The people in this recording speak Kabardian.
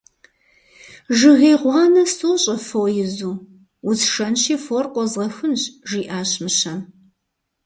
Жыгей гъуанэ сощӏэ, фо изу, усшэнщи, фор къозгъэхынщ, - жиӏащ мыщэм.